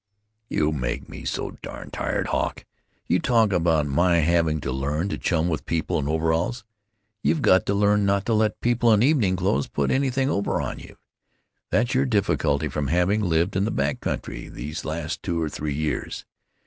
"You make me so darn tired, Hawk. You talk about my having to learn to chum with people in overalls. You've got to learn not to let people in evening clothes put anything over on you. That's your difficulty from having lived in the back country these last two or three years.